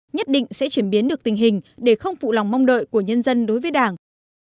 nhất định sẽ chuyển biến được tình hình để không phụ lòng mong đợi của nhân dân đối với đảng